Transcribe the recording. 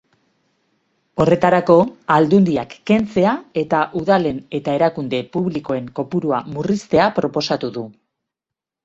Horretarako, aldundiak kentzea eta udalen eta erakunde publikoen kopurua murriztea proposatu du.